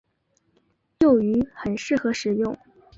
幼鱼很适合食用。